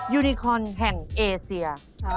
ยูนิคอนแห่งเอเซีย